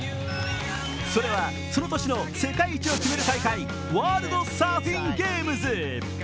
それはその年の世界一を決める大会、ワールドサーフィンゲームズ。